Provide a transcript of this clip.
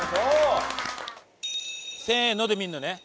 「せーの」で見るのね。